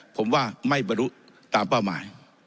ผมว่าไม่บรรลุตามเป้าหมาย